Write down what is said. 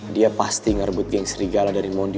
dia pasti ngerebut geng serigala dari mondi